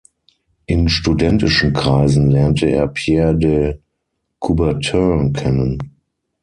In studentischen Kreisen lernte er Pierre de Coubertin kennen.